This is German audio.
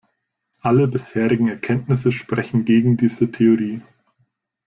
Alle bisherigen Erkenntnisse sprechen gegen diese Theorie.